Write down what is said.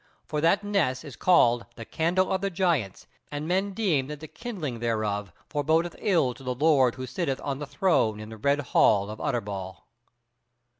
For that ness is called the Candle of the Giants, and men deem that the kindling thereof forebodeth ill to the lord who sitteth on the throne in the red hall of Utterbol."